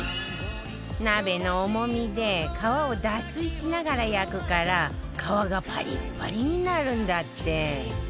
鍋の重みで皮を脱水しながら焼くから皮がパリッパリになるんだって